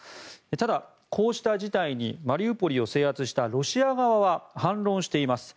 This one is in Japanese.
ただ、こうした事態にマリウポリを制圧したロシア側は反論しています。